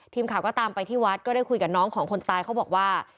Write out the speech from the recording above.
ทีมข่าวก็ตามไปที่วัดก็ได้คุยกับน้องของคนตายเขาบอกว่า